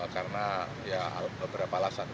karena ya beberapa alasan